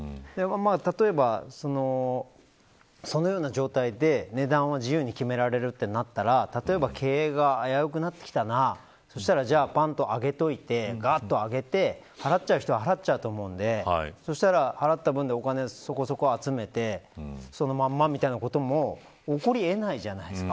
例えば、そのような状態で値段を自由に決められるとなったら例えば経営が危うくなってきたらそしたらぱっと上げておいて払っちゃう人は払っちゃうと思うんでそしたら払った分でお金をそこそこ集めてそのまま、みたいなことも起こり得るじゃないですか。